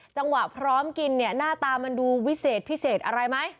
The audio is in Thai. จังหวะพร้อมกินเนี่ยหน้าตามันดูวิเศษพิเศษอะไรไหม